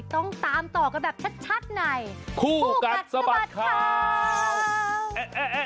ต้องตามต่อกันแบบชัดในคู่กัดสะบัดข่าว